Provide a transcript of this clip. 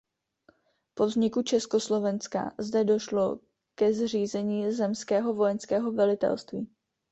Po vzniku Československa zde došlo ke zřízení Zemského vojenského velitelství.